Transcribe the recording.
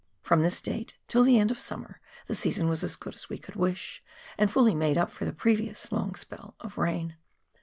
From this date, till the end of summer, the season was as good as we could wish, and fully made up for the previous long spell of rain.